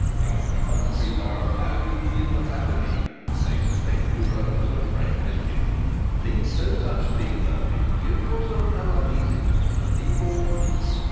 "Come, come, my lord, now you begin to flatter me, I suspect you are up to some fresh mischief." "Think no such thing, Murphy; give yourself no uneasiness, but leave all to me."